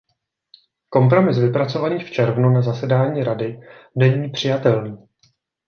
Kompromis vypracovaný v červnu na zasedání Rady není přijatelný.